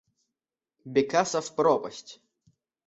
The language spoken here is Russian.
Бекасов пропасть.